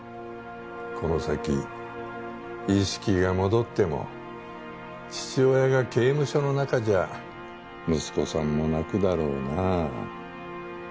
この先意識が戻っても父親が刑務所の中じゃ息子さんも泣くだろうな。